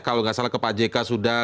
kalau nggak salah ke pak jk sudah